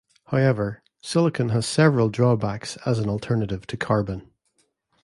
However, silicon has several drawbacks as an alternative to carbon.